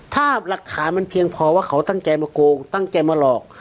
ถ้าหลักฐานมันเพียงพอว่าเขาตั้งใจมาโกงตั้งใจมาหลอก